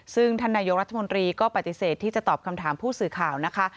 ซึ่งท่านนายกรัฐมนตรีก็ปฏิเสธที่จะตอบคำถามผู้สื่อข่าวนะคะ